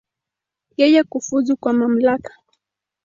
Yeye kufuzu kwa mamlaka.